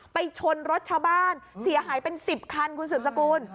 ไปชนรถชาวบ้านเสียหายเป็น๑๐คันคุณสืบสกุล